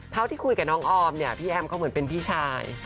เท่าที่คุยกับน้องออมเนี่ยพี่แอมเขาเหมือนเป็นพี่ชาย